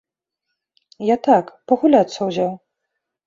Я так, пагуляцца ўзяў.